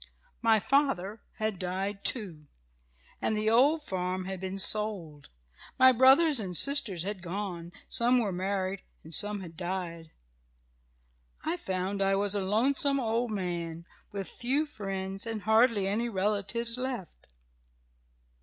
"My father had died too, and the old farm had been sold. My brother and sisters had gone some were married and some had died. I found I was a lonesome old man, with few friends, and hardly any relatives, left.